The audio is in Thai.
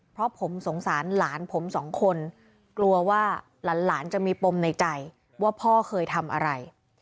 เพราะผมสงสารหลานผมสองคนกลัวว่าหลานจะมีปมในใจว่าพ่อเคยทำอะไร